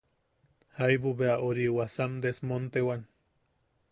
Jaibu bea ori wasam desmontewan.